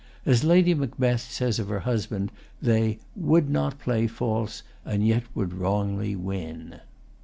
As Lady Macbeth says of her husband, they "would not play false, and yet would wrongly win."